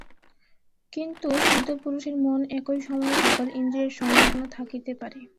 কিন্তু সিদ্ধপুরুষের মন একই সময়ে সকল ইন্দ্রিয়ের সংলগ্ন থাকিতে পারে।